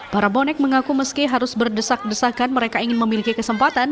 para bonek mengaku meski harus berdesak desakan mereka ingin memiliki kesempatan